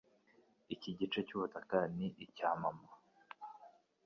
Iki gice cyubutaka ni icya mama.